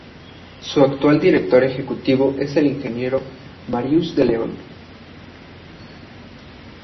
Su actual director ejecutivo es el Ingeniero Marius de Leon.